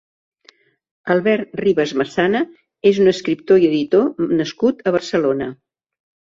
Albert Ribas Massana és un escriptor i editor nascut a Barcelona.